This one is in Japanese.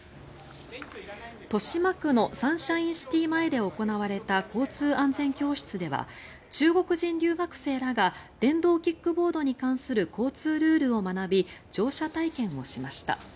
豊島区のサンシャインシティ前で行われた交通安全教室では中国人留学生らが電動キックボードに関する交通ルールを学び乗車体験をしました。